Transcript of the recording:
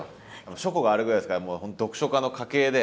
書庫があるぐらいですから読書家の家系で。